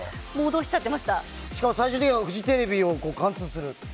最終的にはフジテレビを貫通する。